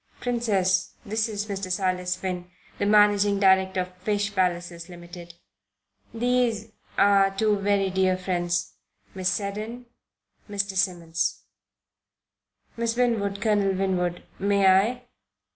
Princess, this is Mr. Silas Finn, the managing director of Fish Palaces Limited. These are two very dear friends, Miss Seddon Mr. Simmons. Miss Winwood Colonel Winwood, may I?"